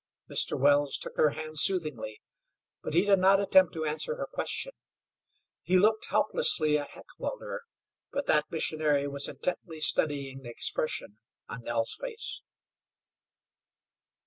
Mr. Wells took her hand soothingly, but he did not attempt to answer her question. He looked helplessly at Heckewelder, but that missionary was intently studying the expression on Nell's face.